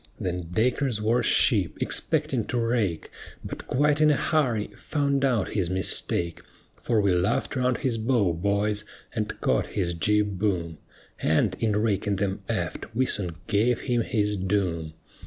Then Dacres wore ship, expecting to rake; But quite in a hurry, found out his mistake; For we luff'd round his bow, boys, and caught his jib boom, And, in raking them aft, we soon gave him his doom.